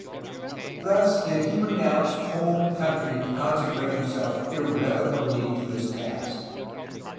Thus did he renounce home and country to consecrate him self irrevocably to his task.